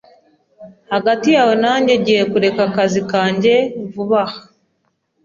Hagati yawe nanjye, ngiye kureka akazi kanjye vuba aha.